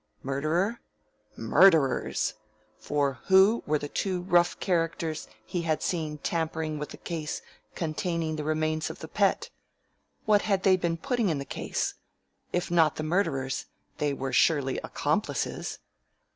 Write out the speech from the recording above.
Murderer? Murderers! For who were the two rough characters he had seen tampering with the case containing the remains of the Pet? What had they been putting in the case? If not the murderers, they were surely accomplices.